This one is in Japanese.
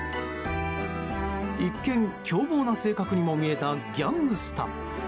一見、凶暴な性格にも見えたギャングスタ。